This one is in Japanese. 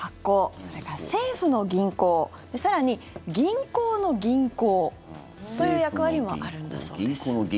それから政府の銀行更に、銀行の銀行という役割もあるんだそうです。